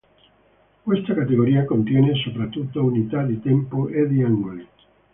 Questa categoria contiene soprattutto unità di tempo e di angoli.